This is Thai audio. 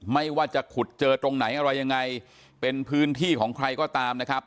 ไม่ว่าจะขุดเจอตรงไหนอะไรยังไงเป็นพื้นที่ของใครก็ตามนะครับ